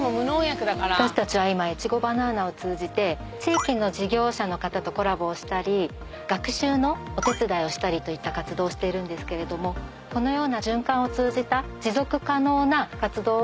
私たちは今越後バナーナを通じて地域の事業者の方とコラボをしたり学習のお手伝いをしたりといった活動をしているんですけれどもこのような。